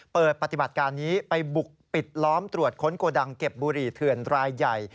ปฏิบัติการนี้ไปบุกปิดล้อมตรวจค้นโกดังเก็บบุหรี่เถื่อนรายใหญ่